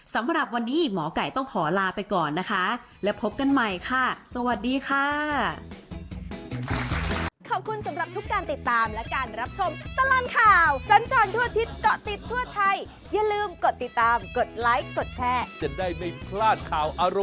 สำหรับวันนี้หมอไก่ต้องขอลาไปก่อนนะคะและพบกันใหม่ค่ะสวัสดีค่ะ